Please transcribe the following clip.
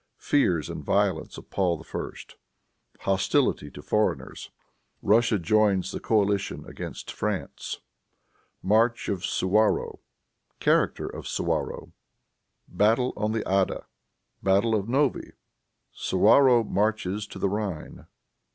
Fears and Violence of Paul I. Hostility to Foreigners. Russia Joins the Coalition against France. March of Suwarrow. Character of Suwarrow. Battle on the Adda. Battle of Novi. Suwarrow Marches to the Rhine.